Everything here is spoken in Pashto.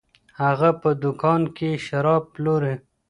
هغه په دکان کي شراب پلوري.